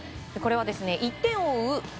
これは１点を追う